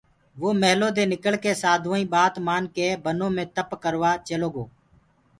وو مِيهلودي نڪݪڪي سآڌوآئيٚنٚ ٻآت مآنڪي بنو مي تپَ ڪروآ چيلوگو